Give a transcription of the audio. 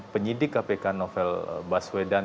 penyidik kpk novel baswedan